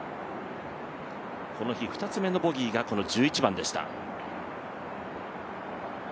この日、２つ目のボギーがこの１１番でした。